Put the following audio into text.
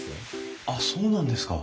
あっそうなんですか。